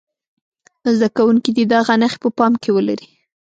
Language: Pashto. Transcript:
زده کوونکي دې دغه نښې په پام کې ولري.